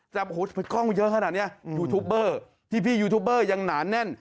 แต่กล้องเยอะขนาดนี้ยูทูบเบอร์พี่ยูทูบเบอร์ยังหนาแน่น